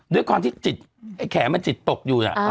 ด้วยความที่อายแขมันจิตตกอยู่